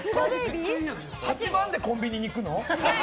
８万でコンビニに行くの？